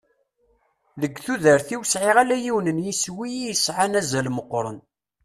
Deg tudert-iw sɛiɣ ala yiwen n yiswi i yesɛan azal meqqren.